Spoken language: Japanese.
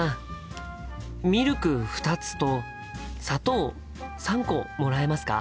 ミルク２つと砂糖３個もらえますか？